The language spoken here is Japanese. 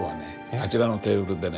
あちらのテーブルでね